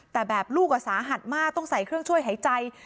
แต่แบบลูกสาหัสมากต้องใส่เครื่องช่วยหายใจ